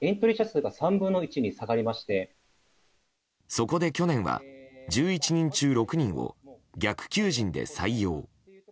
そこで去年は１１人中６人を逆求人で採用。